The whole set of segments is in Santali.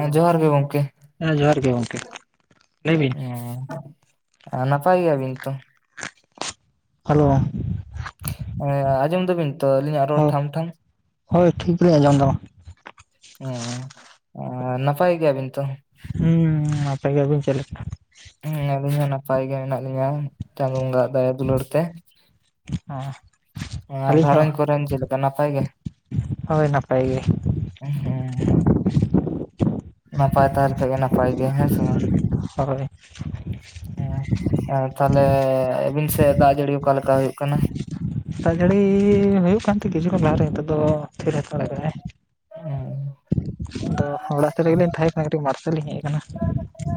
ᱮᱸ ᱡᱚᱦᱟᱨ ᱜᱮ ᱜᱚᱝᱠᱮ ᱦᱮᱸ ᱡᱚᱦᱟᱨ ᱜᱮ ᱜᱚᱝᱠᱮ ᱞᱟᱹᱭ ᱵᱤᱱ ᱩᱸᱦ ᱾ ᱟ ᱱᱟᱯᱟᱭ ᱜᱮᱭᱟᱵᱤᱱ ᱛᱚ? ᱴᱷᱤᱡ-ᱴᱷᱚᱡ ᱦᱟᱞᱚᱣ-ᱟ ᱴᱷᱚᱡ ᱾ ᱮᱸ ᱟᱸᱡᱚᱢ ᱫᱟᱵᱤᱱ ᱛᱚ ᱟᱹᱞᱤᱧᱟᱜ ᱨᱚᱲ ᱦᱳᱭ ᱴᱷᱟᱢ-ᱴᱷᱟᱢ? ᱦᱳᱭ, ᱴᱷᱤᱠ ᱜᱮᱞᱤᱧ ᱟᱸᱡᱚᱢ ᱫᱟ ᱢᱟ᱾ ᱦᱩ ᱦᱩ ᱟ ᱱᱟᱯᱟᱭ ᱜᱮᱭᱟ ᱵᱤᱱ ᱛᱚ? ᱦᱩᱸᱦ, ᱱᱟᱯᱟᱭ ᱜᱮ ᱟᱵᱤᱱ ᱪᱮᱫ ᱞᱮᱠᱟ? ᱦᱩᱸ ᱟᱹᱞᱤᱧ ᱦᱚᱸ ᱱᱟᱯᱟᱭ ᱜᱮ ᱢᱮᱱᱟᱜ ᱞᱤᱧᱟ, ᱪᱟᱸᱫᱳ ᱵᱚᱸᱜᱟ ᱟᱜ ᱫᱟᱭᱟ ᱫᱩᱞᱟᱹᱲ ᱛᱮ᱾ ᱴᱤᱲᱤᱡ-ᱚᱻ ᱾ ᱟᱨ ᱟᱹᱞᱤᱧ ᱦᱚᱸ ᱜᱷᱟᱨᱚᱸᱡᱽ ᱠᱚᱨᱮᱱ ᱪᱮᱫ ᱞᱮᱠᱟ ᱱᱟᱯᱟᱭ ᱜᱮ? ᱦᱳᱭ, ᱱᱟᱯᱟᱭ ᱜᱮ ᱾ ᱷᱩᱸᱦ-ᱦᱩᱸᱜ ᱾ ᱱᱟᱯᱟᱭ ᱛᱟᱦᱮᱸ ᱞᱮᱠᱷᱟᱡ ᱜᱮ ᱱᱟᱯᱟᱭ ᱜᱮ, ᱦᱮᱸ ᱥᱮ ᱵᱟᱝ? ᱦᱳᱭ ᱦᱮᱸ, ᱛᱟᱞᱦᱮ ᱟᱵᱤᱱ ᱥᱮᱜ ᱫᱟᱜ-ᱡᱟᱹᱲᱤ ᱚᱠᱟᱞᱮᱠᱟ ᱦᱳᱭᱳᱜ ᱠᱟᱱᱟ? ᱫᱟᱜ-ᱡᱟᱹᱲᱤ ᱦᱳᱭᱯᱜ ᱠᱟᱱ ᱛᱮ ᱠᱤᱪᱷᱩ ᱠᱷᱚᱱ ᱞᱟᱦᱟᱨᱮ, ᱱᱤᱛᱚᱜ ᱫᱚ ᱛᱷᱤᱨ ᱦᱟᱛᱟᱲ ᱟᱠᱟᱫᱟᱭ᱾ ᱦᱮᱸ ᱾ ᱟᱫᱚ ᱚᱲᱟᱜ ᱥᱮᱜ ᱨᱮᱜᱮ ᱞᱤᱧ ᱛᱟᱦᱮᱸᱠᱟᱱᱟ ᱠᱟᱹᱴᱤᱡ ᱢᱟᱴᱷ ᱥᱮᱜ ᱞᱤᱧ ᱦᱮᱡ ᱟᱠᱟᱱᱟ᱾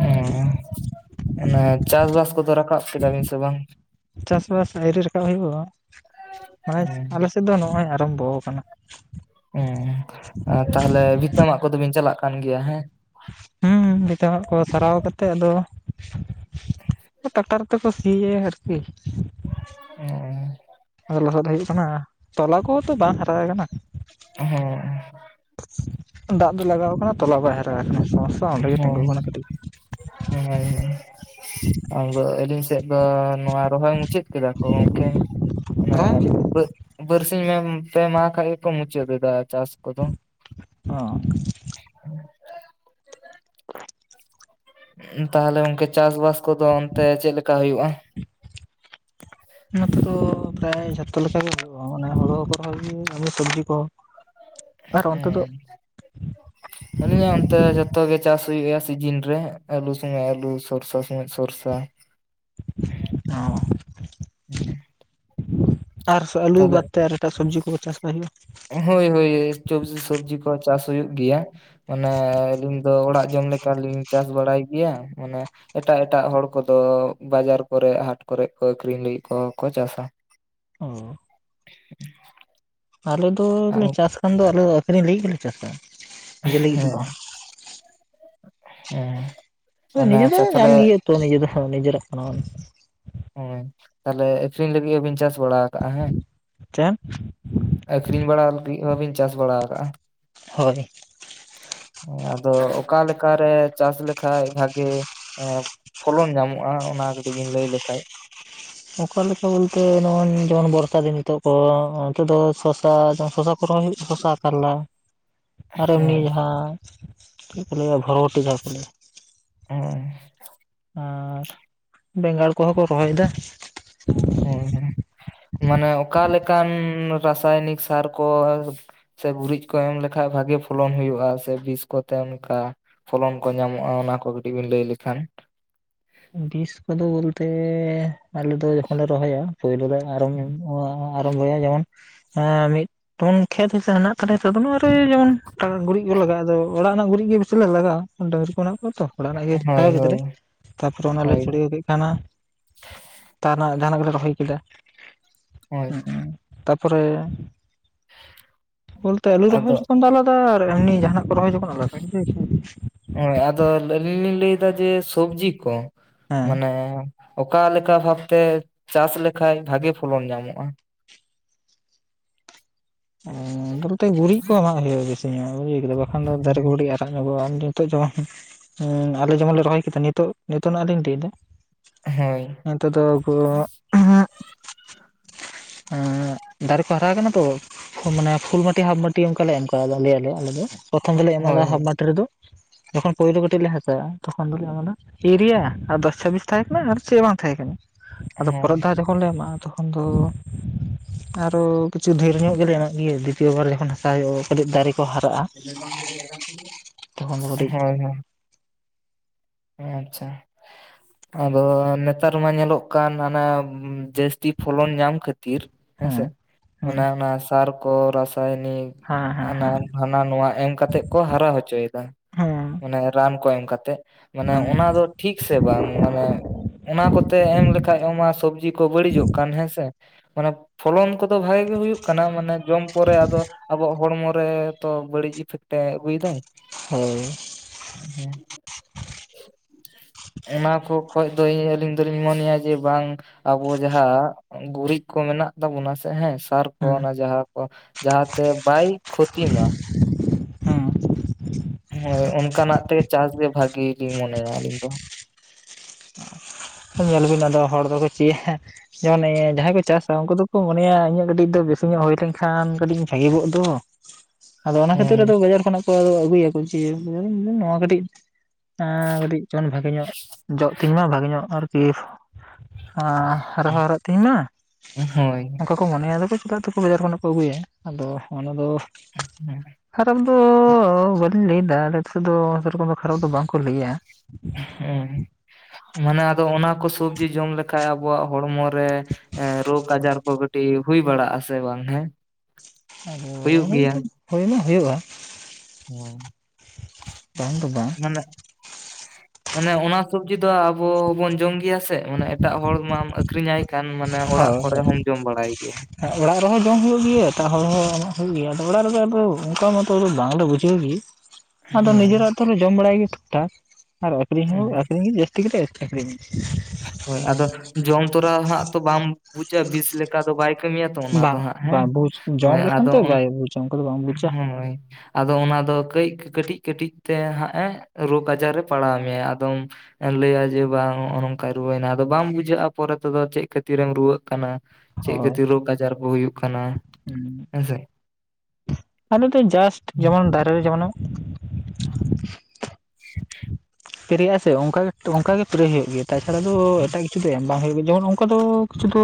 ᱮᱸᱻ ᱚᱱᱮ ᱪᱟᱥᱵᱟᱥ ᱠᱚᱫᱚ ᱨᱟᱠᱟᱵ ᱠᱮᱫᱟᱵᱤᱱ ᱥᱮ ᱵᱟᱝ? ᱪᱟᱥᱵᱟᱥ ᱟᱭᱹᱨᱤ ᱨᱟᱠᱟᱵ ᱦᱳᱭᱳᱜᱼᱟ ᱢᱟᱱᱮ ᱦᱮᱸ ᱟᱞᱮ ᱥᱮᱫ ᱫᱚ ᱱᱚᱜᱼᱚᱭ ᱟᱨᱟᱢᱵᱚ ᱟᱠᱟᱱᱟ᱾ ᱦᱩᱸ, ᱟ ᱛᱟᱦᱞᱮ ᱵᱷᱤᱛᱟᱹ ᱢᱟᱜ ᱠᱚᱫᱚ ᱵᱤᱱ ᱪᱟᱞᱟᱜ ᱠᱟᱱ ᱜᱮᱭᱟ ᱦᱮᱸ? ᱦᱩᱸᱦ-ᱦᱩᱸ, ᱵᱷᱤᱛᱟᱹ ᱢᱟᱜ ᱠᱚ ᱥᱟᱨᱟᱣ ᱠᱟᱛᱮ ᱟᱫᱚ ᱴᱟᱠᱴᱟᱨ ᱛᱮ ᱠᱚ ᱥᱤ-ᱭᱮ ᱟᱨᱠᱤ ᱾ ᱴᱮᱝ-ᱭᱚᱸᱜ ᱾ ᱞᱚᱦᱚᱫ ᱦᱮᱡ ᱟᱠᱟᱱᱟ ᱛᱚᱞᱟ ᱠᱚᱦᱚᱸ ᱛᱚ ᱵᱟᱝ ᱦᱟᱨᱟ ᱟᱠᱟᱱᱟ ᱾ ᱷᱩᱦ ᱾ ᱫᱟᱜ ᱫᱚ ᱞᱟᱜᱟᱣ ᱠᱟᱱᱟ ᱛᱚᱞᱟ ᱵᱟᱭ ᱦᱟᱨᱟᱣ ᱟᱠᱟᱱᱟ ᱛᱚ ᱦᱮᱸ ᱦᱮᱸ ᱟᱫᱚ ᱟᱹᱞᱤᱧ ᱥᱮᱜ ᱟ -ᱫᱚᱻ ᱱᱚᱣᱟ ᱨᱚᱦᱚᱭ ᱢᱩᱪᱟᱹᱫ ᱠᱮᱫᱟ ᱠᱚ ᱜᱚᱝᱠᱮ, ᱢᱟᱱᱮ ᱯᱨᱟᱭ ᱵᱟᱹ-ᱵᱟᱹᱨ ᱥ ᱤᱱᱟᱹᱢ, ᱯᱮ ᱢᱟᱦᱟᱸ ᱠᱷᱟᱡ ᱜᱮ ᱠᱚ ᱢᱩᱪᱟᱹᱫ ᱮᱫᱟ ᱪᱟᱥ ᱠᱚᱫᱚ ᱾ ᱚᱜ ᱴᱷᱮᱡ ᱾ ᱵ-ᱚ-ᱡ ᱵᱚᱢ ᱾ ᱩᱸᱷ, ᱛᱟᱦᱞᱮ ᱜᱚᱝᱠᱮ ᱪᱟᱥᱵᱟᱥ ᱠᱚᱫᱚ ᱚᱱᱛᱮ ᱪᱮᱫ ᱞᱮᱠᱟ ᱦᱳᱭᱳᱜᱼᱟ? ᱱᱚᱛᱮ ᱫᱚ ᱯᱨᱟᱭ ᱡᱷᱚᱛᱚ ᱞᱮᱠᱟ ᱜᱮ ᱦᱳᱭᱳᱜᱼᱟ, ᱢᱟᱱᱮ ᱦᱳᱲᱳ ᱦᱳᱭᱳᱜ-ᱟ ᱥᱚᱵᱽᱡᱤ ᱠᱚ ᱾ ᱦᱮᱸᱜ ᱾ ᱚᱱᱮ ᱚᱱᱛᱮ ᱡᱚᱛᱚ ᱜᱮ ᱪᱟᱥ ᱦᱩᱭᱩᱜᱼᱟ ᱥᱤᱡᱤᱱ ᱨᱮ᱾ ᱟᱹᱞᱩ ᱥᱩᱚᱢᱚᱭ ᱟᱹᱞᱩ ᱥᱚᱨᱥᱟ ᱥᱚᱢᱚᱭ ᱥᱚᱨᱥᱟ ᱾ [inaudible] ᱚᱸ ᱻ [inaudible] ᱟᱨ ᱥᱮ ᱟᱹᱞᱩ ᱛᱟᱦᱚᱞᱮ ᱵᱟᱫᱽ ᱛᱮ ᱟᱨ ᱮᱴᱟᱜ ᱥᱚᱵᱽᱡᱤ ᱠᱚ ᱪᱟᱥ ᱵᱟᱭ ᱦᱩᱭᱩᱜᱼᱟ? ᱦᱳᱭ -ᱦᱳᱭ, ᱥᱚᱵᱽ -ᱥᱚᱵᱽᱡᱤ ᱠᱚ ᱪᱟᱥ ᱦᱩᱭᱩᱜ ᱜᱮᱭᱟ ᱾ ᱢᱟᱱᱮ, ᱟᱹᱞᱤᱧ ᱫᱚ ᱚᱲᱟᱜ ᱡᱚᱢ ᱞᱮᱠᱟ ᱞᱤᱧ ᱪᱟᱥ ᱵᱟᱲᱟᱭ ᱜᱮᱭᱟ ᱢᱟᱱᱮ ᱮᱴᱟᱜ ᱮᱴᱟᱜ ᱦᱚᱲ ᱠᱚᱫᱚ ᱵᱟᱡᱟᱨ ᱠᱚᱨᱮ, ᱦᱟᱴ ᱠᱚᱨᱮᱜ ᱠᱚ ᱟᱹᱠᱷᱨᱤᱧ ᱞᱟᱹᱜᱤᱫ ᱠᱚᱦᱚᱸ ᱠᱚ ᱪᱟᱥᱟ ᱾ ᱚᱻᱳᱻ ᱴᱷᱤᱝ-ᱴᱷᱤᱝ-ᱚᱜ ᱾ ᱟᱞᱮ ᱫᱚᱻ ᱞᱮ ᱪᱟᱥ ᱠᱷᱟᱱ ᱫᱚ ᱟᱞᱮ ᱫᱚ ᱟᱹᱠᱷᱨᱤᱧ ᱞᱟᱹᱜᱤᱫ ᱜᱮᱞᱮ ᱪᱟᱥᱟ। ᱱᱤᱡᱮ ᱞᱟᱹᱜᱤᱫ ᱫᱚ ᱷᱮᱸᱦᱮᱸ ᱵᱟᱝ ᱦᱮᱸ। ᱢᱟᱱᱮ ᱱᱤᱡᱮ ᱫᱚ ᱟᱪᱪᱷᱟ ᱛᱟᱦᱚᱞᱮ ᱧᱟᱢ ᱜᱮᱭᱟ ᱛᱚ ᱱᱤᱡᱮ ᱫᱚ ᱱᱤᱡᱮᱨᱟᱜ ᱠᱟᱱᱟ ᱾ ᱦᱮᱸ ᱛᱟᱦᱚᱞᱮ ᱟᱠᱷᱨᱤᱧ ᱞᱟᱹᱜᱤᱫ ᱦᱚᱸᱵᱤᱱ ᱪᱟᱥ ᱵᱟᱲᱟ ᱠᱟᱜ-ᱟ ᱦᱮᱸ? ᱪᱮᱫ? ᱟᱠᱷᱨᱤᱧ ᱵᱟᱲᱟ ᱞᱟᱹᱜᱤᱫ ᱦᱚᱸᱵᱤᱱ ᱪᱟᱥ ᱵᱟᱲᱟ ᱟᱠᱟᱫ-ᱟ? ᱦᱳᱭ। ᱟᱫᱚ ᱚᱠᱟᱞᱮᱠᱟ ᱨᱮ ᱪᱟᱥ ᱞᱮᱠᱷᱟᱡ ᱵᱷᱟᱜᱤ ᱮᱸ ᱯᱷᱚᱞᱚᱱ ᱧᱟᱢᱚᱜ-ᱟ ᱚᱱᱟ ᱠᱟᱹᱴᱤᱡ ᱵᱤᱱ ᱞᱟᱹᱭ ᱞᱮᱠᱷᱟᱡ? ᱚᱠᱟ ᱞᱮᱠᱟ ᱵᱚᱞᱛᱮ ᱱᱚᱜ-ᱚᱭ ᱡᱮᱢᱚᱱ ᱵᱚᱨᱥᱟ ᱫᱤᱱ ᱱᱤᱛᱚᱜ ᱠᱚ ᱚᱱᱛᱮ ᱫᱚ ᱥᱚᱥᱟ [unintelligible] [unintelligible] ᱥᱚᱥᱟ ᱠᱟᱞᱞᱟ [unintelligible] ᱟᱨ ᱮᱢᱱᱤ ᱦᱮᱸ ᱡᱟᱦᱟᱸ ᱪᱮᱫ ᱠᱚ ᱞᱟᱹᱭᱟ ᱵᱷᱚᱵᱷᱩᱨᱚᱴᱤ ᱡᱟᱦᱟᱸ ᱠᱚ ᱞᱟᱹᱭᱟ᱾ [unintelligible] ᱟᱨ ᱵᱮᱸᱜᱟᱲ ᱠᱚᱦᱚᱸ ᱠᱚ ᱨᱚᱦᱚᱭ ᱫᱟ᱾ ᱦᱮᱸ ᱦᱮᱸ ᱢᱟᱱᱮ ᱚᱠᱟ ᱞᱮᱠᱟᱱ ᱨᱟᱥᱟᱭᱚᱱᱤᱠ ᱥᱟᱨ ᱠᱚ ᱥᱮ ᱜᱩᱨᱤᱡ ᱠᱚ ᱮᱢ ᱞᱮᱠᱷᱟᱡ ᱵᱷᱟᱜᱤ ᱯᱷᱚᱞᱚᱱ ᱦᱩᱭᱩᱜ-ᱟ ᱥᱮ ᱵᱤᱥ ᱠᱚᱛᱮ ᱚᱱᱠᱟ ᱯᱷᱚᱞᱚᱱ ᱠᱚ ᱧᱟᱢᱚᱜ-ᱟ ᱚᱱᱟ ᱠᱚ ᱠᱟᱹᱴᱤᱡ ᱵᱤᱱ ᱞᱟᱹᱭ ᱞᱮᱠᱷᱟᱱ ᱵᱤᱥ ᱠᱚᱫᱚ ᱵᱚᱞᱛᱮ ᱟᱞᱮ ᱫᱚ ᱡᱚᱠᱷᱚᱱ ᱞᱮ ᱨᱚᱦᱚᱭᱟ ᱯᱳᱭᱞᱩ ᱨᱮ [unintelligible] [unintelligible] ᱵᱚᱭᱟ ᱡᱮᱢᱚᱱ ᱢᱤᱫ ᱡᱮᱢᱚᱱ ᱠᱷᱮᱛ ᱦᱟᱥᱟ ᱦᱮᱱᱟᱜ ᱛᱟᱞᱮᱭᱟ ᱛᱚ ᱡᱮᱢᱚᱱᱟᱜ ᱜᱩᱨᱤᱡ ᱠᱚ ᱞᱟᱜᱟᱜ-ᱟ, ᱟᱫᱚ ᱚᱲᱟᱜ ᱨᱮᱱᱟᱜ ᱜᱩᱨᱤᱡ ᱜᱮ ᱵᱮᱥᱤ ᱞᱮ ᱞᱟᱜᱟᱣ-ᱟ᱾ ᱰᱟᱝᱨᱤ ᱠᱚ ᱢᱮᱱᱟᱜ ᱠᱚᱣᱟ ᱛᱚ ᱚᱲᱟᱜ ᱱᱟᱜ ᱜᱮ ᱦᱳᱭ ᱴᱟᱭ ᱦᱳᱭ [inaudible] ᱛᱟᱯᱚᱨᱮ ᱚᱱᱟᱞᱮ ᱦᱳᱭ ᱪᱩᱲᱤᱭᱟᱹᱣ ᱠᱮᱫ ᱠᱷᱟᱱ ᱦᱟᱸᱜ ᱛᱟᱨ ᱱᱟᱜ ᱡᱟᱦᱟᱱᱟᱜ ᱜᱮᱞᱮ ᱨᱚᱦᱚᱭ ᱠᱮᱫᱟ᱾ ᱦᱳᱭ ᱦᱮᱸ ᱛᱟᱨ ᱯᱚᱨᱮ ᱵᱚᱞᱛᱮ ᱟᱹᱞᱩ ᱨᱚᱦᱚᱭ ᱟᱫᱚ ᱡᱚᱠᱷᱚᱱ ᱫᱚ ᱟᱞᱟᱫᱟ, ᱮᱢᱱᱤ ᱡᱟᱦᱟᱱᱟᱜ ᱠᱚ ᱨᱚᱦᱚᱭ ᱡᱚᱠᱷᱚᱱ ᱟᱞᱟᱫᱟ ᱾ ᱦᱳᱭ ᱟᱫᱚ ᱟᱹᱞᱤᱧ ᱞᱤᱧ ᱞᱟᱹᱭ ᱫᱟ ᱡᱮ ᱥᱚᱵᱡᱤ ᱠᱚ ᱦᱮᱸ ᱢᱟᱱᱮ ᱚᱠᱟ ᱞᱮᱠᱟ ᱵᱷᱟᱵᱛᱮ ᱪᱟᱥ ᱞᱮᱠᱷᱟᱡ ᱵᱷᱟᱜᱤ ᱯᱷᱚᱞᱚᱱ ᱧᱟᱢᱚᱜ-ᱟ? ᱵᱚᱞᱛᱮ ᱜᱩᱨᱤᱡ ᱠᱚ ᱮᱢᱟᱜ ᱦᱩᱭᱩᱜ-ᱟ ᱵᱮᱥᱤ ᱧᱚᱜ ᱵᱩᱡ ᱠᱮᱫᱟ ᱵᱟᱠᱷᱟᱱ ᱫᱚ ᱫᱟᱨᱮ ᱠᱚ ᱠᱟᱴᱤᱡ ᱟᱨ ᱠᱤ [unintelligible] ᱱᱤᱛᱚᱜ ᱡᱮᱢᱚᱱ ᱦᱮᱸ ᱟᱞᱮ ᱡᱮᱢᱚᱱ ᱞᱮ ᱨᱚᱦᱚᱭ ᱠᱮᱫᱟ ᱱᱤᱛᱚᱜ ᱱᱤᱛᱚᱜ ᱱᱟᱜ ᱞᱤᱧ ᱞᱟᱹᱭᱮᱫᱟ ᱦᱮᱸ ᱾ ᱟᱨ ᱱᱤᱛᱚᱜ ᱫᱚ ᱟᱵᱚ ᱩᱸᱦᱩᱜ ᱦᱮᱸ ᱫᱟᱨᱮ ᱠᱚ ᱦᱟᱨᱟ ᱠᱟᱱᱟ ᱛᱚ ᱢᱟᱱᱮ ᱯᱷᱩᱞ ᱵᱟᱴᱤ ᱦᱟᱯ ᱵᱟᱴᱤ ᱚᱱᱠᱟᱞᱮ ᱮᱢ ᱠᱟᱫᱟ ᱞᱟᱹᱭ ᱟᱞᱮ ᱟᱞᱮ ᱫᱚ ᱯᱨᱚᱛᱷᱚᱢ ᱫᱚᱞᱮ ᱮᱢᱟᱫᱟ ᱦᱳᱭ ᱦᱳᱭ ᱦᱟᱯ ᱵᱟᱴᱤ ᱨᱮᱫᱚ ᱡᱚᱠᱷᱚᱱ ᱯᱳᱭᱞᱳ ᱠᱟᱹᱴᱤᱡ ᱞᱮ ᱦᱟᱥᱟᱜ-ᱟ ᱛᱚᱠᱷᱚᱱ ᱫᱚᱞᱮ ᱮᱢᱟᱫᱟ ᱮᱭᱩᱨᱤᱭᱟ ᱟᱨ ᱫᱚᱥ ᱪᱷᱟᱵᱤᱥ ᱛᱟᱦᱮᱸ ᱠᱟᱱᱟ ᱟᱨ ᱪᱮᱫ ᱦᱚᱸ ᱵᱟᱝ ᱛᱟᱦᱮᱸ ᱠᱟᱱᱟ᱾ ᱟᱫᱚ ᱯᱚᱨᱮ ᱦᱮᱸ ᱫᱷᱟᱣ ᱡᱚᱠᱷᱚᱱ ᱞᱮ ᱮᱢᱟᱜ-ᱟ ᱛᱚᱠᱷᱚᱱ ᱫᱚ ᱟᱨᱚ ᱠᱤᱪᱷᱩ ᱰᱷᱮᱨ ᱧᱚᱜ ᱞᱮ ᱮᱢᱚᱜ ᱜᱮᱭᱟ ᱫᱤᱛᱤᱭᱚ ᱵᱟᱨ ᱡᱚᱠᱷᱚᱱ ᱦᱟᱥᱟ ᱦᱩᱭᱩᱜ-ᱟ ᱠᱟᱹᱴᱤᱡ ᱫᱟᱨᱮ ᱠᱚ ᱦᱟᱨᱟᱜ-ᱟ ᱛᱚᱠᱷᱚᱱ ᱫᱚ ᱠᱟᱹᱴᱤᱡ ᱦᱳᱭ ᱦᱳᱭ ᱟᱪᱪᱷᱟ᱾ ᱟᱫᱚ ᱱᱮᱛᱟᱨ ᱢᱟ ᱧᱮᱞᱚᱜ ᱠᱟᱱ ᱦᱟᱱᱟ ᱡᱟᱹᱥᱛᱤ ᱯᱷᱚᱞᱚᱱ ᱧᱟᱢ ᱠᱷᱟᱹᱛᱤᱨ ᱛᱤᱨ ᱦᱮᱸ ᱦᱮᱸᱥᱮ ᱦᱮᱸ ᱚᱱᱟ ᱚᱱᱟ ᱥᱟᱨ ᱠᱚ ᱨᱟᱥᱟᱭᱱᱤᱠ ᱦᱮᱸ ᱦᱮᱸ ᱦᱟᱱᱟ ᱦᱟᱱᱟ ᱱᱚᱣᱟ ᱮᱢ ᱠᱟᱛᱮᱜ ᱠᱚ ᱦᱟᱨᱟ ᱦᱚᱪᱚᱭᱮᱫᱟ, ᱦᱮᱸ ᱦᱮᱸ ᱢᱟᱱᱮ ᱨᱟᱱ ᱠᱚ ᱮᱢ ᱠᱟᱛᱮᱜ ᱢᱟᱱᱮ ᱦᱮᱸ ᱚᱱᱟ ᱫᱚ ᱴᱷᱤᱠ ᱥᱮ ᱵᱟᱝ? ᱢᱟᱱᱮ ᱚᱱᱟ ᱠᱚᱛᱮ ᱮᱢ ᱞᱮᱠᱷᱟᱡ ᱚᱱᱟ ᱥᱚᱵᱡᱤ ᱠᱚ ᱵᱟᱹᱲᱤᱡᱚᱜ ᱠᱟᱱ ᱦᱮᱸᱥᱮ ᱢᱟᱱᱮ ᱯᱷᱚᱞᱚᱱ ᱠᱚ ᱫᱚ ᱵᱷᱟᱜᱮ ᱜᱮ ᱦᱩᱭᱩᱜ ᱠᱟᱱᱟ ᱢᱟᱱᱮ ᱡᱚᱢ ᱯᱚᱨᱮ ᱟᱫᱚ ᱟᱵᱚᱣᱟᱜ ᱦᱚᱲᱢᱚ ᱨᱮ ᱛᱚ ᱵᱟᱹᱲᱤᱡ ᱤᱯᱷᱮᱠᱴ ᱮ ᱟᱹᱜᱩᱭᱮ ᱫᱟᱭ᱾ ᱦᱳᱭ। ᱦᱮᱸ᱾ ᱚᱱᱟ ᱠᱚ ᱠᱷᱚᱡ ᱫᱚ ᱟᱹᱞᱤᱧ ᱫᱚᱞᱤᱧ ᱢᱚᱱᱮᱭᱟ ᱡᱮ ᱵᱟᱝ ᱟᱵᱳ ᱡᱟᱸᱦᱟᱸ ᱜᱩᱨᱤᱡ ᱠᱚ ᱢᱮᱱᱟᱜ ᱛᱟᱵᱚᱱᱟ ᱥᱮ ᱦᱮᱸ ᱥᱟᱨ ᱠᱚ ᱦᱮᱸ ᱚᱱᱟ ᱡᱟᱸᱦᱟᱸ ᱠᱚ ᱡᱟᱸᱦᱟᱸ ᱛᱮ ᱵᱟᱭ ᱠᱷᱚᱛᱤ ᱢᱟ᱾ ᱦᱮᱸ ᱦᱳᱭ ᱚᱱᱠᱟᱱᱟᱜ ᱛᱮ ᱪᱟᱥ ᱜᱮ ᱵᱷᱟᱹᱜᱤ ᱜᱤᱧ ᱢᱚᱱᱮᱭᱟ ᱤᱧ ᱫᱚ᱾ ᱧᱮᱞ ᱵᱤᱱ ᱟᱫᱚ ᱦᱚᱲ ᱫᱚᱠᱚ ᱪᱮ ᱦᱟᱸ ᱡᱮ ᱚᱱᱮ ᱡᱟᱸᱦᱟᱸᱭ ᱠᱚ ᱪᱟᱥᱟ ᱩᱱᱠᱩ ᱫᱚᱠᱚ ᱢᱚᱱᱮᱭᱟ ᱤᱧᱟᱹᱜ ᱠᱟᱹᱴᱤᱡ ᱫᱚ ᱵᱮᱥᱤ ᱧᱚᱜ ᱦᱩᱭ ᱞᱮᱱᱠᱷᱟᱱ ᱠᱟᱹᱴᱤᱡ ᱵᱷᱟᱹᱜᱤ ᱠᱚᱜ ᱫᱚ᱾ ᱟᱫᱚ ᱚᱱᱟ ᱠᱷᱟᱹᱛᱤᱨ ᱦᱳᱭ ᱟᱫᱚ ᱵᱟᱡᱟᱨ ᱠᱷᱚᱱᱟᱜ ᱠᱚ ᱟᱹᱜᱩᱭᱟᱠᱚ ᱡᱮ [inaudible] ᱱᱚᱣᱟ ᱠᱟᱴᱤᱡ᱾ ᱚᱸ ᱠᱟᱹᱴᱤᱡ ᱪᱚᱱ ᱵᱷᱟᱜᱮ ᱧᱚᱜ ᱡᱚᱜ ᱛᱤᱧ ᱢᱟ ᱵᱷᱟᱜᱮ ᱧᱚᱜ ᱟᱨᱠᱤ᱾ ᱟ ᱨᱚᱦᱚᱲᱚᱜ ᱛᱤᱧ ᱢᱟ᱾ ᱦᱳᱭ ᱠᱚ ᱢᱚᱱᱮᱭᱟ ᱟᱫᱚ ᱪᱮᱛᱟᱜ ᱛᱚᱠᱚ ᱵᱟᱡᱟᱨ ᱠᱷᱚᱱᱟᱜ ᱠᱚ ᱟᱹᱜᱩᱭᱟ ᱟᱫᱚ ᱚᱱᱟ ᱫᱚ᱾ ᱠᱷᱟᱨᱟᱯ ᱫᱚ ᱵᱟᱹᱞᱤᱧ ᱞᱟᱹᱭ ᱮᱫᱟ, ᱟᱞᱮ ᱥᱮᱫ ᱫᱚ ᱥᱮ ᱨᱚᱠᱚᱢ ᱫᱚ ᱠᱷᱟᱨᱟᱯ ᱫᱚ ᱵᱟᱝ ᱠᱚ ᱞᱟᱹᱭᱟ᱾ ᱦᱩᱸ ᱢᱟᱱᱮ ᱟᱫᱚ ᱚᱱᱟ ᱠᱚ ᱥᱚᱵᱽᱡᱤ ᱡᱚᱢ ᱞᱮᱠᱷᱟᱱ ᱟᱵᱚᱣᱟᱜ ᱦᱚᱲᱢᱚ ᱨᱮ᱾ ᱮᱸ ᱨᱳᱜᱽ ᱟᱡᱟᱨ ᱠᱚ ᱠᱟᱹᱴᱤᱡ ᱦᱩᱭ ᱵᱟᱲᱟᱜ ᱟᱥᱮ ᱵᱟᱝ ᱦᱮᱸ᱾ ᱟᱫᱚ ᱦᱩᱭᱩᱜ ᱜᱮᱭᱟ ᱤᱱᱠᱟᱹ ᱦᱩᱭ ᱢᱟ ᱦᱩᱭᱩᱜᱼᱟ᱾ [inaudible] ᱵᱟᱝ ᱫᱚ ᱵᱟᱝ᱾ ᱢᱟᱱᱮᱜ ᱢᱟᱱᱮ ᱚᱱᱟ ᱥᱚᱵᱽᱡᱤ ᱫᱚ ᱟᱵᱚ ᱵᱚᱱ ᱡᱚᱢ ᱜᱮᱭᱟ ᱥᱮ ᱢᱟᱱᱮ ᱮᱴᱟᱜ ᱦᱚᱲ ᱢᱟᱢ ᱟᱠᱷᱤᱨᱤᱧ ᱟᱭ ᱠᱷᱟᱱ ᱢᱟᱱᱮ ᱚᱲᱟᱜ ᱦᱳᱭ ᱠᱚᱨᱮ ᱦᱳᱭ ᱦᱚᱢ ᱡᱚᱢ ᱵᱟᱲᱟᱭ ᱜᱮᱭᱟ᱾ ᱚᱲᱟᱜ ᱨᱮᱦᱚᱸ ᱡᱚᱢ ᱦᱩᱭᱩᱜ ᱜᱮᱭᱟ ᱮᱴᱟᱜ ᱦᱚᱲ ᱦᱚᱸ ᱮᱢᱚᱜ ᱦᱩᱭᱩᱜ ᱜᱮᱭᱟ, ᱟᱫᱚ ᱚᱲᱟᱜ ᱨᱮᱫᱚ ᱟᱫᱚ ᱚᱱᱠᱟ ᱢᱟᱛᱚ ᱵᱟᱝ ᱞᱮ ᱵᱩᱡᱷᱟᱹᱣ ᱜᱤ᱾ [inaudible] ᱟᱫᱚ ᱱᱤᱡᱮᱨ ᱦᱮᱸ ᱟᱹᱛᱩ ᱨᱮ ᱡᱚᱢ ᱵᱟᱲᱟᱭ ᱜᱮ ᱴᱷᱤᱠᱴᱷᱟᱠ ᱟᱨ ᱟᱹᱠᱷᱨᱤᱧ ᱦᱚᱸ ᱦᱮᱸ ᱟᱹᱠᱷᱨᱤᱧ ᱜᱮ ᱡᱟ. ᱛᱤ ᱠᱟᱛᱮᱜ ᱟᱹᱠᱷᱨᱤᱧ᱾ ᱦᱚᱭ ᱟᱫᱚ ᱡᱚᱢ ᱛᱚᱨᱟ ᱦᱟᱸᱜ ᱛᱚ ᱵᱟᱢ ᱵᱩᱡᱟ ᱵᱤᱥ ᱞᱮᱠᱟ ᱫᱚ ᱵᱟᱭ ᱠᱟᱹᱢᱤᱭᱟ ᱛᱚ ᱚᱱᱟ ᱫᱚ ᱵᱟᱝ ᱦᱟᱸᱜ, ᱦᱮᱸ ᱵᱟᱝ ᱵᱩᱡᱽ ᱡᱚᱢ ᱞᱮᱠᱷᱟᱱ ᱟᱫᱚ ᱛᱚ ᱵᱟᱭ ᱵᱩᱡᱟ ᱚᱱᱠᱟ ᱫᱚ ᱵᱟᱢ ᱵᱩᱡᱟ ᱦᱚᱭ ᱟᱫᱚ ᱚᱱᱟ ᱫᱚ ᱠᱟᱹᱡ ᱠᱟᱹᱴᱤᱡ ᱠᱟᱹᱴᱤᱡ ᱛᱮ ᱦᱟᱸᱜ ᱮ ᱨᱳᱜᱽ ᱟᱡᱟᱨ ᱮ ᱯᱟᱲᱟᱣ ᱢᱮᱭᱟ ᱟᱫᱚᱢ ᱞᱟᱹᱭᱟ ᱡᱮ ᱵᱟᱝ ᱱᱚᱜᱼᱚ ᱱᱚᱝ ᱠᱟᱭ ᱨᱩᱣᱟᱹᱭᱮᱱᱟ, ᱟᱫᱚ ᱵᱟᱝ ᱵᱩᱡᱷᱟᱹᱜᱼᱟ ᱯᱚᱨᱮ ᱛᱮᱫᱚ ᱪᱮᱫ ᱠᱷᱟᱹᱛᱤᱨᱮᱢ ᱨᱩᱣᱟᱹᱜ ᱠᱟᱱᱟ᱾ ᱪᱮᱫ ᱦᱳᱭ ᱠᱷᱟᱹᱛᱤᱨ ᱨᱳᱜᱽ ᱟᱡᱟᱨ ᱠᱚ ᱦᱩᱭᱩᱜ ᱠᱟᱱᱟ ᱦᱮᱸᱥᱮ᱾ ᱟᱞᱩ ᱫᱚ ᱡᱟᱥᱴ ᱡᱮᱢᱚᱱ ᱫᱟᱨᱮ ᱨᱮ ᱡᱮᱢᱚᱱᱮᱢ [inaudible] ᱯᱮᱨᱮᱭᱟᱜ ᱟᱥᱮ ᱚᱝᱠᱟ ᱚᱝᱠᱟ ᱜᱮ ᱯᱮᱨᱮ ᱦᱩᱭᱩᱜ ᱜᱮᱭᱟ, ᱛᱟ ᱪᱷᱟᱲᱟ ᱫᱚ ᱮᱴᱟᱜ ᱠᱤᱪᱷᱩ ᱫᱚ ᱮᱢ ᱵᱟᱝ ᱦᱩᱭᱩᱜ ᱜᱮᱭᱟ ᱡᱮᱢᱚᱱ ᱚᱱᱠᱟ ᱫᱚ᱾ ᱠᱤᱪᱷᱩ ᱫᱚ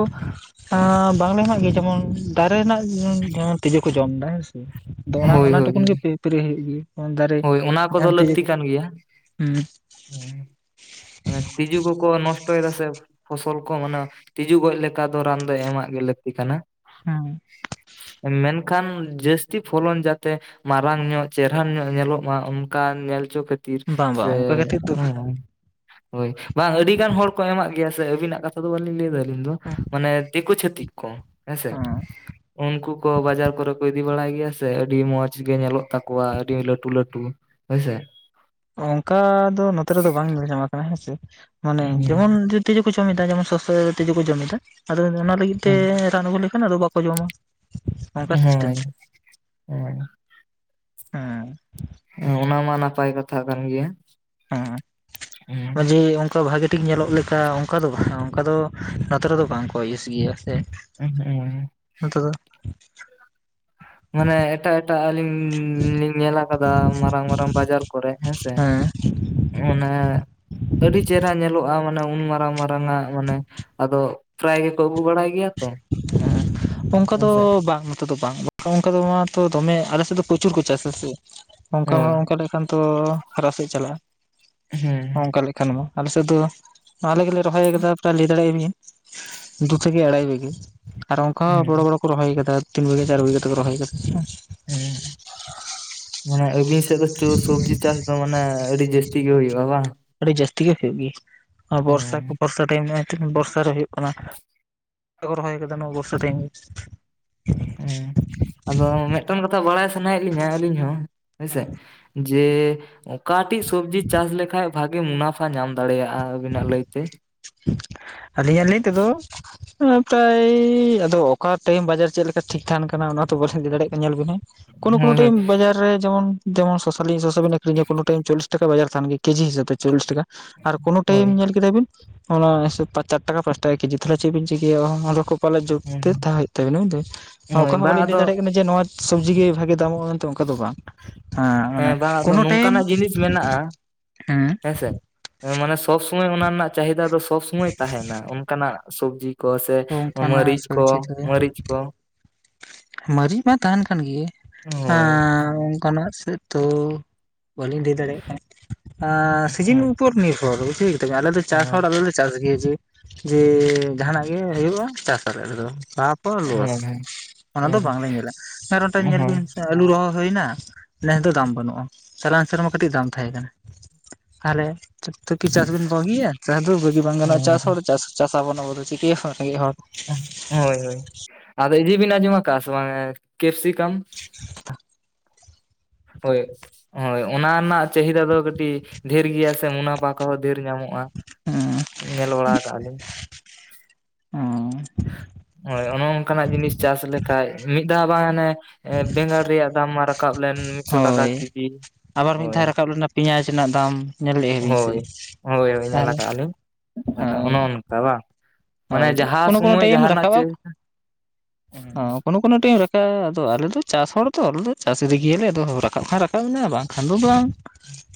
ᱟᱸ ᱵᱟᱝ ᱞᱮ ᱮᱢᱟᱜ ᱜᱮᱭᱟ ᱡᱮᱢᱚᱱ ᱫᱟᱨᱮ ᱨᱮᱱᱟᱜ ᱡᱮᱢᱚᱱ ᱛᱤᱡᱩ ᱠᱚ ᱡᱚᱢ ᱮᱫᱟ ᱦᱮᱸ ᱥᱮ, ᱟᱫᱚ ᱚᱱᱟ ᱦᱳᱭ ᱚᱱᱟ ᱦᱳᱭ ᱴᱩᱠᱩᱱ ᱜᱮ ᱯᱮ ᱯᱮᱨᱮ ᱦᱩᱭᱩᱜ ᱜᱮ᱾ ᱫᱟᱨᱮ ᱦᱳᱭ ᱚᱱᱟ ᱡᱟᱸᱦᱟᱸ ᱛᱤᱡᱩ ᱜᱮᱭᱟ, [inaudible] ᱦᱮᱸ ᱛᱤᱡᱩ ᱠᱚᱠᱚ ᱱᱚᱥᱴᱚ ᱭᱮᱫᱟ ᱥᱮ᱾ ᱯᱷᱚᱥᱚᱞ ᱠᱚ ᱢᱟᱱᱮ ᱛᱤᱡᱩ ᱠᱚ ᱜᱚᱡ ᱞᱮᱠᱟ ᱫᱚ ᱨᱟᱱ ᱫᱚ ᱮᱢᱟᱜ ᱜᱮ ᱞᱟᱹᱠᱛᱤ ᱠᱟᱱᱟ᱾ ᱦᱮᱸ᱾ ᱢᱮᱱᱠᱷᱟᱱ ᱡᱟᱹᱥᱛᱤ ᱯᱷᱚᱞᱚᱱ ᱡᱟᱛᱮ ᱢᱟᱨᱟᱝ ᱧᱚᱜ ᱪᱮᱨᱦᱟᱱ ᱧᱚᱜ ᱧᱮᱞᱚᱜ ᱢᱟ, ᱚᱱᱠᱟᱱ ᱧᱮᱞ ᱪᱚ ᱠᱷᱟᱹᱛᱤᱨ ᱵᱟᱝ ᱥᱮ ᱵᱟᱝ ᱚᱱᱠᱟ ᱠᱟᱛᱮᱫ ᱫᱚ ᱦᱮᱸ᱾ ᱦᱳᱭ, ᱵᱟᱝ ᱟᱹᱰᱤ ᱜᱟᱱ ᱦᱚᱲ ᱠᱚ ᱮᱢᱟᱜ ᱜᱮᱭᱟ ᱥᱮ ᱟᱹᱵᱤᱱᱟᱜ ᱠᱟᱛᱷᱟ ᱫᱚ ᱵᱟᱞᱤᱧ ᱞᱟᱹᱭ ᱮᱫᱟ᱾ ᱦᱩᱸ, ᱢᱟᱱᱮ ᱫᱤᱠᱩ ᱪᱷᱟᱹᱛᱤᱠ ᱠᱚ᱾ ᱦᱮᱸ ᱥᱮ ᱩᱱᱠᱩ ᱠᱚ ᱵᱟᱡᱟᱨ ᱠᱚᱨᱮ ᱠᱚ ᱤᱫᱤ ᱵᱟᱲᱟᱭ ᱜᱮᱭᱟ ᱥᱮ ᱟᱹᱰᱤ ᱢᱚᱸᱡᱽ ᱜᱮ ᱧᱮᱞᱚᱜ᱾ ᱛᱟᱠᱚᱣᱟ ᱟᱹᱰᱤ ᱞᱟᱹᱴᱩ ᱞᱟᱹᱴᱩ ᱦᱳᱭ ᱥᱮ᱾ ᱚᱝᱠᱟ ᱫᱚ ᱱᱚᱛᱮ ᱨᱮᱫᱚ ᱵᱟᱝ ᱧᱮᱞ ᱧᱟᱢ ᱟᱠᱟᱱᱟ ᱦᱮᱸ ᱥᱮ᱾ ᱢᱟᱱᱮ ᱦᱩᱸ ᱡᱮᱢᱚᱱ ᱡᱩ ᱛᱤᱡᱩ ᱠᱚ ᱡᱚᱢᱮᱫᱟ ᱡᱮᱢᱚᱱ ᱥᱚᱥᱚ ᱛᱤᱡᱩ ᱠᱚ ᱡᱚᱢᱮᱫᱟ᱾ ᱟᱫᱚ ᱚᱱᱟ ᱞᱟᱹᱜᱤᱫ ᱛᱮ ᱦᱩᱸ ᱨᱟᱱ ᱟᱹᱜᱩ ᱞᱮᱠᱷᱟᱱ ᱟᱫᱚ ᱵᱟᱠᱚ ᱡᱚᱢᱟ, ᱚᱝᱠᱟ ᱥᱤᱥᱴᱮᱢ᱾ ᱦᱳᱭ ᱦᱳᱭ ᱦᱩᱸ᱾ ᱚ, ᱚᱱᱟ ᱢᱟ ᱱᱟᱯᱟᱭ ᱠᱟᱛᱷᱟ ᱠᱟᱱ ᱜᱮᱭᱟ᱾ ᱦᱚᱸ ᱦᱩᱸ ᱡᱮ ᱚ, ᱚᱝᱠᱟ ᱵᱷᱟᱜᱮ ᱴᱷᱤᱠ ᱧᱮᱞᱚᱜ ᱞᱮᱠᱟ, ᱚᱝᱠᱟ ᱫᱚ ᱵᱟᱝ ᱫᱚ ᱵᱟ, ᱚᱝᱠᱟ ᱫᱚ ᱱᱚᱛᱮ ᱨᱮ ᱫᱚ ᱵᱟᱝ ᱠᱚ ᱤᱭᱩᱥ ᱜᱮᱭᱟ ᱥᱮ᱾ [unintelligible] ᱱᱚᱛᱮ ᱫᱚ ᱢᱟᱱᱮ ᱮᱴᱟᱜ ᱮᱴᱟᱜ ᱟᱹᱞᱤᱧ ᱞᱤᱧ ᱧᱮᱞ ᱟᱠᱟᱫᱟ ᱢᱟᱨᱟᱝ ᱢᱟᱨᱟᱝ ᱵᱟᱡᱟᱨ ᱠᱚᱨᱮ ᱦᱮᱸ ᱥᱮ᱾ ᱚᱱᱟ ᱟᱹᱰᱤ ᱪᱮᱨᱦᱟ ᱧᱮᱞᱚᱜ-ᱟ ᱢᱟᱱᱮ ᱩᱱ ᱢᱟᱨᱟᱝ ᱢᱟᱨ ᱨᱟᱝᱟᱜ ᱢᱟᱱᱮ ᱟᱫᱚ ᱯᱨᱟᱭ ᱜᱮᱠᱚ ᱟᱹᱜᱩ ᱵᱟᱲᱟᱭ ᱜᱮᱭᱟ ᱛᱚ ᱚᱝᱠᱟ ᱫᱚ ᱦᱮᱸᱥᱮ ᱵᱟᱝ᱾ ᱫᱚ ᱵᱟᱝ᱾ ᱚᱝᱠᱟ ᱫᱚ ᱢᱟᱛᱚ ᱫᱚᱢᱮ ᱟᱞᱮ ᱥᱮᱫ ᱫᱚ ᱯᱨᱚᱪᱩᱨ ᱠᱚ ᱪᱟᱥᱟ ᱥᱮ, ᱚᱝᱠᱟ ᱢᱟ ᱦᱳᱭ ᱚᱝᱠᱟ ᱞᱮᱠᱷᱟᱱ ᱛᱚ ᱦᱟᱨᱟᱜ ᱥᱮᱫ ᱪᱟᱞᱟᱜ-ᱟ᱾ ᱦᱩᱸ᱾ ᱚᱝᱠᱟ ᱞᱮᱠᱷᱟᱱ ᱢᱟ, ᱟᱞᱮ ᱥᱮᱫ ᱫᱚ ᱟᱞᱮ ᱜᱮᱞᱮ ᱨᱚᱦᱚᱭ ᱠᱟᱫᱟ ᱯᱨᱟᱭ ᱞᱟᱹᱭ ᱫᱟᱲᱮᱭᱟᱜ-ᱟ ᱵᱤᱱ ᱫᱩ ᱛᱷᱮᱠᱮ ᱟᱲᱟᱭ ᱵᱤᱜᱷᱟᱹ ᱟᱨ ᱚᱝᱠᱟ ᱦᱚᱸ ᱦᱮᱸ ᱵᱚᱲᱚ ᱵᱚᱲᱚ ᱠᱚ ᱨᱚᱦᱚᱭ ᱠᱟᱫᱟ, ᱛᱤᱱ ᱵᱤᱜᱷᱟᱹ ᱪᱟᱨ ᱵᱤᱜᱷᱟᱹ ᱠᱟᱛᱮᱠᱚ ᱨᱚᱦᱚᱭ ᱠᱟᱫᱟ᱾ ᱦᱩᱸ, ᱢᱟᱱᱮ ᱟᱹᱵᱤᱱ ᱥᱮᱫ ᱫᱚ ᱪᱩ ᱥᱚᱵᱡᱤ ᱪᱟᱥ ᱫᱚ ᱢᱟᱱᱮ ᱟᱹᱰᱤ ᱡᱟᱹᱥ ᱛᱤ ᱜᱮ ᱦᱩᱭᱩᱜ-ᱟ ᱵᱟᱝ? ᱟᱹᱰᱤ ᱡᱟᱹᱥᱛᱤ ᱜᱮ ᱦᱩᱭᱩᱜ ᱜᱮᱭᱟ, ᱟᱨ ᱵᱚᱨᱥᱟ ᱦᱮᱸ ᱠᱚ ᱵᱚᱨᱥᱟ ᱴᱟᱭᱤᱢ ᱱᱚᱜ-ᱚᱭ ᱴᱷᱤᱠ ᱵᱚᱨᱥᱟ ᱨᱮ ᱦᱩᱭᱩᱜ ᱠᱟᱱᱟ᱾ [inaudible] ᱠᱚ ᱨᱚᱦᱚᱭ ᱠᱟᱫᱟ ᱱᱚᱣᱟ ᱵᱚᱨᱥᱟ ᱴᱟᱭᱤᱢ᱾ ᱦᱩᱸ᱾ ᱟᱫᱚ ᱢᱮᱫᱴᱮᱱ ᱠᱟᱛᱷᱟ ᱵᱟᱲᱟᱭ ᱥᱟᱱᱟᱭᱮᱫ ᱞᱤᱧᱟᱹ ᱟᱹᱞᱤᱧ ᱦᱚᱸ ᱦᱮᱸ ᱥᱮ, ᱡᱮ ᱚᱠᱟᱴᱤᱡ ᱥᱚᱵᱡᱤ ᱪᱟᱥ ᱞᱮᱠᱷᱟᱡ ᱵᱷᱟᱜᱤ ᱢᱩᱱᱟᱯᱷᱟ ᱧᱟᱢ ᱫᱟᱲᱮᱭᱟᱜ-ᱟ ᱟᱵᱤᱱᱟᱜ ᱞᱟᱹᱭᱛᱮ? ᱟᱹᱞᱤᱧᱟᱜ ᱞᱟᱹᱭ ᱛᱮᱫᱚ ᱯᱨᱟᱭ ᱟᱫᱚ ᱚᱠᱟ ᱴᱟᱭᱤᱢ ᱵᱟᱡᱟᱨ ᱪᱮᱫ ᱞᱮᱠᱟ ᱴᱷᱤᱠ ᱛᱟᱦᱮᱱ ᱠᱟᱱᱟ ᱚᱱᱟ ᱛᱚ ᱵᱟᱞᱤᱧ ᱞᱟᱹᱭ ᱫᱟᱲᱮᱭᱟᱜ ᱠᱟᱱᱟ, ᱧᱮᱞ ᱵᱮᱤᱱ ᱦᱮᱸ᱾ ᱠᱳᱱᱳ ᱠᱳᱱᱳ ᱦᱳᱭ ᱴᱟᱭᱤᱢ ᱵᱟᱡᱟᱨ ᱨᱮ ᱡᱮᱢᱚᱱ, ᱡᱮᱢᱚᱱ ᱥᱚᱥᱟᱞᱤᱧ ᱥᱚᱥᱟ ᱵᱤᱱ ᱟᱠᱷᱨᱤᱧᱟ ᱠᱚᱱᱳ ᱴᱟᱭᱤᱢ ᱪᱚᱞᱞᱤᱥ ᱴᱟᱠᱟ ᱵᱟᱡᱟᱨ ᱛᱟᱦᱮᱱ ᱜᱮᱭᱟ ᱠᱮᱡᱤ ᱦᱤᱥᱟᱹᱵᱽ ᱛᱮ ᱪᱚᱞᱞᱤᱥ ᱴᱟᱠᱟ ᱟᱨ ᱠᱚᱱᱳ ᱦᱳᱭ ᱴᱟᱭᱤᱢ ᱧᱮᱞ ᱠᱮᱫᱟ ᱵᱤᱱ ᱚᱱᱟ ᱦᱤᱥᱟᱹᱵᱽ ᱪᱟᱨ ᱴᱟᱠᱟ ᱯᱟᱸᱪ ᱴᱟᱠᱟ ᱠᱮᱡᱤ ᱛᱟᱞᱦᱮ ᱪᱮᱫ ᱵᱤᱱ ᱪᱤᱠᱟᱹᱭᱟ [unintelligible] ᱯᱟᱞᱮ ᱡᱩᱜᱽ ᱦᱳᱭ ᱛᱮ ᱛᱟᱦᱮᱸ ᱦᱩᱭᱩᱜ ᱛᱟᱵᱮᱱᱟ ᱵᱩᱡᱽ ᱫᱟᱵᱤᱱ᱾ ᱦᱳᱭ ᱚᱠᱟ ᱦᱚᱸ ᱵᱟᱝ ᱵᱟᱹᱞᱤᱧ ᱞᱟᱹᱭ ᱟᱫᱚ ᱫᱟᱲᱮᱭᱟᱜ ᱠᱟᱱᱟ ᱡᱮ ᱱᱚᱣᱟ ᱥᱚᱵᱡᱤ ᱜᱮ ᱵᱷᱟᱜᱮ ᱫᱟᱢᱚᱜ-ᱟ ᱢᱮᱱᱛᱮ ᱚᱱᱠᱟ ᱫᱚ ᱵᱟᱝ᱾ ᱦᱮᱸ ᱢᱟᱱᱮ ᱵᱟᱝ ᱟᱫᱚ ᱠᱳᱱᱳ ᱴᱟᱭᱤᱢ ᱱᱚᱝᱠᱟᱱᱟᱜ ᱡᱤᱱᱤᱥ ᱢᱮᱱᱟᱜᱼᱟ ᱦᱮᱸ᱾ ᱦᱮᱸᱥᱮ ᱢᱟᱱᱮ ᱥᱚᱵᱽ ᱥᱚᱢᱚᱭ ᱚᱱᱟ ᱨᱮᱱᱟᱜ ᱪᱟᱦᱤᱫᱟ ᱫᱚ ᱥᱚᱵᱽ ᱥᱩᱢᱚᱭ ᱛᱟᱦᱮᱱᱟ ᱚᱱᱠᱟᱱᱟᱜ ᱥᱚᱵᱽᱡᱤ᱾ ᱠᱚ ᱥᱮ ᱚᱱᱠᱟᱱᱟᱜ ᱢᱟᱹᱨᱤᱪ ᱠᱚ, ᱢᱟᱹᱨᱤᱪ ᱠᱚ᱾ ᱢᱟᱹᱨᱤᱡ ᱢᱟ ᱛᱟᱦᱮᱱ ᱠᱟᱱ ᱜᱮ, ᱦᱳᱭ ᱮᱸᱻ ᱚᱱᱠᱟᱱᱟᱜ ᱥᱮᱫ᱾ ᱛᱚ ᱵᱟᱹᱞᱤᱧ ᱞᱟᱹᱭ ᱫᱟᱲᱮᱭᱟᱜ ᱠᱷᱟᱱ᱾ ᱮᱸᱻᱥᱤᱡᱤᱱ ᱦᱮᱸ ᱩᱯᱚᱨ ᱱᱤᱨᱵᱷᱚᱨ ᱵᱩᱡᱷᱟᱹᱣ ᱠᱮᱫᱟ ᱵᱤᱱ᱾ ᱟᱞᱮ ᱫᱚ ᱪᱟᱥ ᱦᱳᱭ ᱦᱚᱲ ᱟᱞᱮᱞᱮ ᱪᱟᱥ ᱜᱮᱭᱟ, ᱡᱮ ᱡᱮ ᱡᱟᱸᱦᱟᱱᱟᱜ ᱜᱮ ᱦᱩᱭᱩᱜ-ᱟ ᱪᱟᱥᱟᱞᱮ ᱟᱞᱮ ᱫᱚ᱾ [unintelligible] ᱚ ᱦᱮᱸ ᱞᱚᱥ ᱦᱮᱸ ᱚᱱᱟ ᱫᱚ ᱵᱟᱝᱞᱮ ᱧᱮᱞᱟ, ᱟᱨ ᱢᱤᱫᱴᱟᱝ ᱧᱮᱞ ᱦᱮᱸ ᱵᱤᱱ ᱥᱮ ᱟᱹᱞᱩ ᱨᱚᱦᱚᱭ ᱦᱩᱭᱱᱟ ᱱᱮᱥ ᱫᱚ ᱫᱟᱢ ᱵᱟᱹᱱᱩᱜ-ᱟ, ᱪᱟᱞᱟᱣᱮᱱ ᱥᱮᱨᱢᱟ ᱠᱟᱹᱴᱤᱡ ᱫᱟᱢ ᱛᱟᱦᱮᱸ ᱠᱟᱱᱟ᱾ ᱛᱟᱦᱚᱞᱮ [unintelligible] ᱠᱤ ᱪᱟᱥᱤᱱ ᱵᱟᱹᱜᱤᱭᱟ ᱪᱟᱥ ᱫᱚ ᱵᱟᱹᱜᱤ ᱵᱟᱝ ᱜᱟᱱᱚᱜᱼᱟ ᱦᱮᱸ ᱪᱟᱥ ᱪᱟᱥᱟᱵᱚᱱ ᱟᱵᱚ ᱫᱚ᱾ ᱪᱤᱠᱟᱹ [unintelligible] ᱨᱮᱸᱜᱮᱡ ᱦᱚᱲ᱾ ᱦᱳᱭ ᱦᱳᱭ ᱟᱫᱚ ᱤᱫᱤ ᱵᱮᱱ ᱟᱸᱡᱚᱢᱟ ᱟᱠᱟᱫ-ᱟ ᱥᱮ ᱵᱟᱝ ᱠᱮᱯᱥᱤᱠᱟᱢ? [inaudible] ᱦᱳᱭ ᱦᱳᱭ ᱚᱱᱟ ᱨᱮᱱᱟᱜ ᱪᱟᱹᱦᱤᱫᱟ ᱫᱚ ᱠᱟᱹᱴᱤᱡ ᱰᱷᱮᱨ ᱜᱮᱭᱟ ᱥᱮ ᱢᱩᱱᱟᱯᱟ ᱠᱟ ᱦᱚᱸ ᱰᱷᱮᱨ ᱧᱟᱢᱚᱜᱼᱟ᱾ ᱦᱩᱸ ᱧᱮᱞ ᱵᱟᱲᱟ ᱠᱟᱜ-ᱟ ᱞᱤᱧ᱾ ᱚᱸ᱾ ᱦᱳᱭ ᱚᱱᱮ ᱚᱱᱠᱟᱱᱟᱜ ᱡᱤᱱᱤᱥ ᱪᱟᱥ ᱞᱮᱠᱷᱟᱡ ᱢᱤᱫ ᱫᱷᱟᱣ ᱵᱟᱝ ᱦᱟᱱᱮ ᱮᱸ ᱵᱮᱸᱜᱟᱲ ᱨᱮᱭᱟᱜ ᱫᱟᱢ ᱢᱟ ᱨᱟᱠᱟᱵ ᱞᱮᱱ ᱢᱤᱫᱥᱚ ᱴᱟᱠᱟ ᱦᱳᱭ ᱠᱤᱡᱤ᱾ ᱟᱵᱟᱨ ᱢᱤᱫ ᱫᱷᱟᱣ ᱨᱟᱠᱟᱵ ᱞᱮᱱᱟ ᱯᱮᱸᱭᱟᱡᱽ ᱨᱮᱱᱟᱜ ᱫᱟᱢ, ᱧᱮᱞ ᱞᱮᱫ-ᱟ ᱵᱤᱱ ᱥᱮ ᱛᱟᱦᱚᱞᱮ᱾ ᱛᱦᱞᱮ ᱦᱳᱭ ᱚᱱᱮ ᱚᱱᱠᱟ ᱵᱟᱝ? ᱢᱟᱱᱮ ᱦᱳᱭ ᱟᱫᱚ ᱡᱟᱦᱟᱸ ᱠᱚᱱ ᱠᱚᱱ ᱥᱚᱢᱚᱭ ᱴᱟᱭᱤᱢ ᱡᱟᱦᱟᱱᱟᱜ ᱨᱟᱠᱟᱵ-ᱟ᱾ ᱪᱮᱫ ᱠᱳᱱᱳ ᱠᱳᱱᱳ ᱴᱟᱭᱤᱢ ᱨᱟᱠᱟᱵ-ᱟ᱾ ᱟᱫᱟ ᱟᱞᱮ ᱫᱚ ᱪᱟᱥ ᱦᱚᱲ ᱛᱚ ᱟᱞᱮᱫᱚ ᱪᱟᱥ ᱤᱫᱜᱮᱭᱟᱞᱮ ᱟᱫᱚ ᱨᱟᱠᱟᱵ ᱠᱷᱟᱱ ᱨᱟᱠᱟᱵ ᱮᱱᱟ ᱵᱟᱝᱠᱷᱟᱱ ᱫᱚ ᱵᱟᱝ᱾ [inaudible]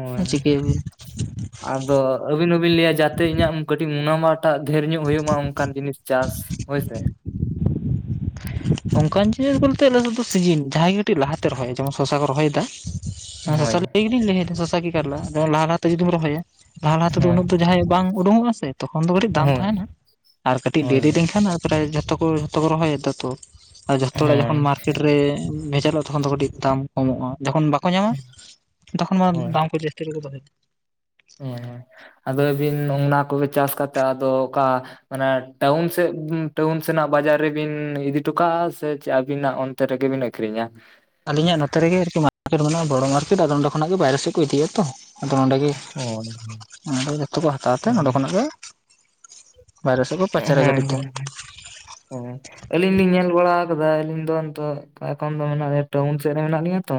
ᱦᱳᱭ᱾ ᱪᱤᱠᱟᱹᱭᱟᱵᱤᱱ ᱟᱫᱚ ᱟᱹᱵᱤᱱ ᱢᱟᱹᱵᱤᱱ ᱞᱟᱹᱭᱟ ᱡᱟᱛᱮ ᱤᱧᱟᱜ ᱠᱟᱹᱴᱤᱡ ᱢᱩᱱᱟᱢᱟᱴ ᱴᱟᱜ ᱫᱷᱮᱹᱨ ᱧᱚᱜ ᱦᱩᱭᱩᱜ ᱢᱟ ᱚᱱᱠᱟᱱ ᱡᱤᱱᱤᱥ ᱪᱟᱥ ᱦᱳᱭᱥᱮ᱾ ᱚᱱᱠᱟᱱ ᱡᱤᱱᱤᱥ ᱵᱚᱞᱛᱮ ᱟᱞᱮ ᱥᱮᱫ ᱫᱚ ᱥᱤᱡᱤᱱ ᱡᱟᱦᱟᱸᱭ ᱜᱮ ᱠᱟᱹᱴᱤᱡ ᱞᱟᱦᱟᱛᱮ ᱨᱚᱦᱚᱭᱟ ᱡᱮᱢᱚᱱ ᱥᱚᱥᱟ ᱠᱚ ᱨᱚᱦᱚᱭᱮᱫᱟ᱾ ᱦᱮᱸ ᱥᱚᱥᱟ ᱦᱳᱭ ᱞᱟᱹᱭ ᱜᱮᱞᱤᱧ ᱞᱟᱹᱭᱮᱫᱟ ᱥᱚᱥᱟ ᱠᱤ ᱠᱟᱨᱞᱟ ᱡᱮᱢᱚᱱ ᱞᱟᱦᱟ ᱞᱟᱦᱟᱛᱮ ᱡᱩᱫᱤᱢ ᱨᱚᱦᱚᱭᱟ ᱞᱟᱦᱟ ᱞᱟᱦᱟ ᱛᱮᱫᱚ ᱦᱳᱭ ᱩᱱᱟᱹᱜ ᱫᱚ ᱡᱟᱦᱟᱸᱭᱟᱜ ᱵᱟᱝ ᱳᱰᱳᱝᱚᱜ-ᱟ ᱥᱮ᱾ ᱛᱚᱠᱷᱚᱱ ᱫᱚ ᱠᱟᱹᱴᱤᱡ ᱫᱟᱢ ᱦᱳᱭ ᱛᱟᱦᱮᱸᱱᱟ ᱟᱨ ᱠᱟᱴᱤᱡ ᱦᱳᱭ ᱫᱮᱨᱤ ᱞᱮᱱᱠᱷᱟᱱ ᱟᱨ ᱯᱨᱟᱭ ᱡᱷᱚᱛᱚ ᱠᱚ ᱡᱷᱚᱛᱚ ᱠᱚ ᱨᱚᱦᱚᱭᱮᱫᱫᱟ ᱛᱚ᱾ ᱟᱨ ᱡᱷᱚᱛᱚ ᱦᱚᱲᱟᱜ ᱦᱳᱭ ᱡᱚᱠᱷᱚᱱ ᱢᱟᱨᱠᱮᱴ ᱨᱮ ᱵᱷᱮᱡᱟᱞᱚᱜ-ᱟ ᱛᱚᱠᱷᱚᱱ ᱫᱚ ᱠᱟᱹᱴᱤᱡ ᱫᱟᱢ ᱠᱚᱢᱚᱜ-ᱟ ᱡᱚᱠᱷᱚᱱ ᱵᱟ ᱠᱚ ᱧᱟᱢᱟ ᱛᱚᱠᱷᱚᱱ ᱢᱟ ᱫᱟᱢ ᱠᱚ ᱡᱟᱹᱥᱛᱤ ᱨᱮᱠᱚ ᱫᱚᱦᱚᱭᱟ᱾ ᱦᱳᱭ ᱦᱳᱭ ᱟᱫᱚ ᱟᱹᱵᱤᱱ ᱚᱱᱟ ᱠᱚᱜᱮ ᱪᱟᱥ ᱠᱟᱛᱮᱜ ᱟᱫᱚ ᱚᱠᱟ ᱚᱱᱟ ᱴᱟᱣᱩᱱ ᱥᱮᱫ ᱴᱟᱣᱩᱱ ᱥᱮᱱᱟᱜ ᱵᱟᱡᱟᱨ ᱨᱮᱵᱤᱱ ᱤᱫᱤᱴᱚ ᱠᱟᱜ-ᱟ ᱥᱮ ᱪᱮᱜ ᱟᱹᱵᱤᱱᱟᱜ ᱚᱱ ᱛᱮ ᱨᱮᱜᱮ ᱵᱤᱱ ᱟᱹᱠᱷᱨᱤᱧᱟ᱾ ᱟᱞᱤᱧᱟᱜ ᱱᱚᱛᱮ ᱨᱮᱜᱮ ᱟᱨᱠᱤ ᱢᱟᱨᱠᱮᱴ ᱢᱮᱱᱟᱜ-ᱟ ᱵᱚᱲᱚ ᱢᱟᱨᱠᱮᱴ ᱟᱫᱚ ᱱᱚᱰᱮ ᱠᱷᱚᱱᱟᱜ ᱜᱮ ᱵᱟᱭᱨᱮ ᱥᱮᱜ ᱠᱚ ᱤᱫᱤᱭᱟᱛᱚ᱾ ᱟᱫᱚ ᱱᱚᱰᱮ ᱜᱮ ᱦᱳᱭ ᱱᱚᱰᱮ ᱜᱮ ᱡᱷᱚᱛᱚ ᱠᱚ ᱦᱟᱛᱟᱣ ᱛᱮ ᱦᱳᱭ ᱱᱚᱰᱮ ᱠᱷᱚᱱᱟᱜ ᱜᱮ ᱵᱟᱭᱨᱮᱥᱮᱫ ᱚᱦᱳᱭ ᱦᱳᱭ ᱦᱳᱭ ᱦᱳᱭ᱾ ᱟᱹᱞᱤᱧ ᱞᱤᱧ ᱧᱮᱞ ᱵᱟᱲᱟ ᱟᱠᱟᱫᱟ ᱟᱹᱞᱤᱧ ᱫᱚ ᱱᱤᱛᱚᱜ ᱮᱠᱷᱚᱱ ᱫᱚ ᱢᱮᱱᱟᱜ ᱞᱮᱭᱟ ᱴᱟᱣᱩᱱ ᱥᱮᱜ ᱨᱮ ᱢᱮᱱᱟᱜ ᱞᱤᱧᱟ ᱛᱚ᱾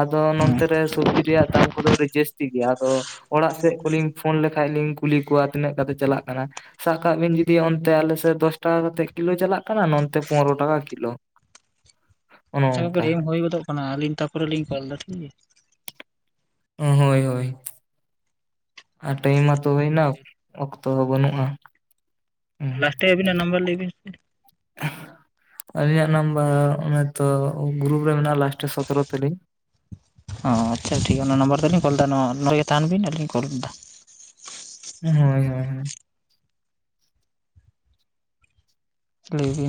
ᱟᱫᱚ ᱦᱮᱸ ᱱᱚᱱᱛᱮ ᱨᱮ ᱥᱚᱵᱽᱡᱤ ᱨᱮᱭᱟᱜ ᱫᱟᱢ ᱠᱚᱫᱚ ᱟᱹᱰᱤ ᱡᱟᱹᱥᱛᱤ ᱜᱮᱭᱟ ᱟᱫᱚ ᱚᱲᱟᱜ ᱥᱮᱜ ᱠᱚᱞᱤᱧ ᱯᱷᱳᱱ ᱞᱮᱠᱷᱟᱡ ᱞᱤᱧ ᱠᱩᱞᱤ ᱠᱚᱣᱟ ᱛᱤᱱᱟᱹᱜ ᱠᱟᱛᱮ ᱪᱟᱞᱟᱜ ᱠᱟᱱᱟ ᱥᱟᱜ ᱠᱟᱜ ᱵᱤᱱ ᱡᱩ ᱛᱤ ᱚᱱᱛᱮ ᱟᱞᱮᱥᱮᱜ ᱫᱚᱥ ᱴᱟᱠᱟ ᱠᱟᱛᱮᱜ ᱠᱤᱞᱳ ᱪᱟᱞᱟᱜ ᱠᱟᱱᱟ ᱱᱚᱱᱛᱮ ᱯᱚᱱᱨᱚ ᱴᱟᱠᱟ ᱠᱤᱞᱳ᱾ ᱚᱱᱮ ᱟᱪᱪᱷᱟ ᱚᱱᱠᱟ ᱜᱚᱢᱠᱮ [unintelligible] ᱦᱳᱭ ᱜᱚᱫᱚᱜ ᱠᱟᱱᱟ, ᱟᱞᱤᱧ ᱛᱟᱯᱚᱨᱮ ᱞᱤᱧ ᱠᱚᱞ ᱫᱟ ᱴᱷᱤᱠ ᱜᱮᱭᱟ᱾ ᱚᱸ ᱦᱳᱭ ᱦᱳᱭ ᱟᱨ ᱴᱟᱹᱭᱤᱢ ᱢᱟᱛᱚ ᱦᱳᱭᱱᱟ᱾ ᱚᱠᱛᱚ ᱦᱚᱸ ᱵᱟᱹᱱᱩᱜ-ᱟ᱾ ᱞᱟᱥᱴᱮ. ᱟᱹᱵᱤᱱᱟᱜ ᱱᱟᱢᱵᱟᱨ ᱞᱟᱹᱭ ᱵᱤᱱ ᱥᱮ᱾ ᱟᱹᱞᱤᱧᱟᱜ ᱱᱟᱢᱵᱟᱨ ᱚᱱᱮᱛᱚ ᱜᱨᱩᱯ ᱨᱮ ᱢᱮᱱᱟᱜ-ᱟ ᱞᱟᱥᱴᱮ ᱥᱚᱛᱚᱨᱚ ᱛᱟᱞᱤᱧ᱾ ᱚᱸ ᱟᱪᱪᱷᱟ ᱴᱷᱤᱠ ᱜᱮᱭᱟ ᱚᱱᱟ ᱱᱟᱢᱵᱟᱨ ᱛᱮᱞᱤᱧ ᱠᱚᱞ ᱫᱟ ᱱᱚᱣᱟ ᱱᱚᱰᱮ ᱜᱮ ᱛᱟᱦᱮᱱ ᱵᱤᱱ ᱟᱨ ᱞᱤᱧ ᱠᱚᱞ ᱫᱟ᱾ ᱦᱳᱭ ᱦᱳᱭ ᱦᱳᱭ᱾ ᱞᱟᱹᱭ ᱵᱤ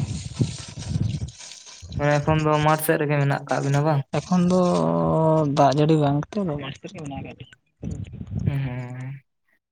ᱢᱟᱱᱮ ᱮᱠᱷᱚᱱ ᱫᱚ ᱢᱟᱴᱷ ᱥᱮᱫ ᱨᱮᱜᱮ ᱢᱮᱱᱟᱜ ᱟᱠᱟᱫ ᱵᱤᱱᱟ ᱵᱟᱝ? ᱮᱠᱷᱚᱱ ᱫᱚ ᱫᱟᱜ ᱡᱟᱹᱲᱤ ᱵᱟᱝ ᱠᱷᱟᱭᱤᱨ [inaudible] [inaudible]